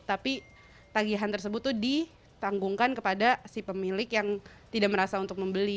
tapi tagihan tersebut itu ditanggungkan kepada si pemilik yang tidak merasa untuk membeli